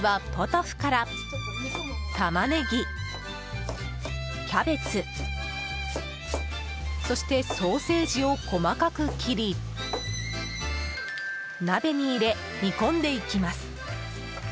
タマネギ、キャベツ、そしてソーセージを細かく切り鍋に入れ、煮込んでいきます。